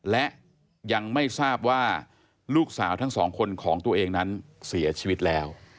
และยังไม่ทราบว่าลูกสาวทั้งสองคนของตัวเองนั้นเสียชีวิตแล้ว